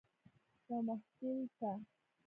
یو محصول ته